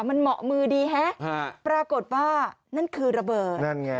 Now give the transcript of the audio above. มันเหมาะมือดีฮะปรากฏว่านั่นคือระเบิดนั่นไง